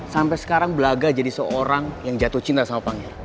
sampai sekarang belaga jadi seorang yang jatuh cinta sama pangeran